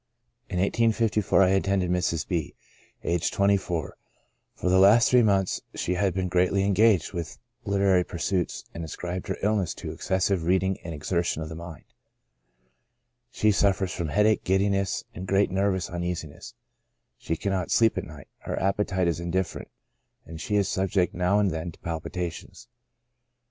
In November, 1854, I attended Mrs. B —, aged 24; for the last three months she had been greatly engaged with literary pursuits, and ascribed her illness to excessive reading and exertion of the mind ; she suffers from headache, gid diness, and great nervous uneasiness ; she cannot sleep at night, her appetite is indifferent, and she is subject now and then to palpitations.